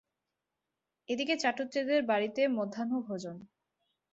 এ দিকে চাটুজ্যেদের বাড়িতে মধ্যাহ্নভোজন।